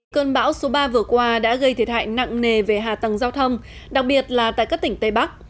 cơn bão số ba vừa qua đã gây thiệt hại nặng nề về hạ tầng giao thông đặc biệt là tại các tỉnh tây bắc